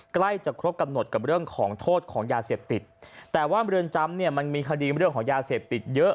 ใกล้จะครบกำหนดกับเรื่องของโทษของยาเสพติดแต่ว่าเมืองจำเนี่ยมันมีคดีเรื่องของยาเสพติดเยอะ